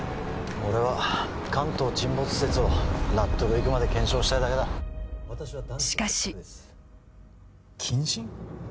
俺は関東沈没説を納得いくまで検証したいだけだしかし謹慎？